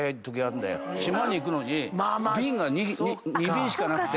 島に行くのに便が２便しかなくて。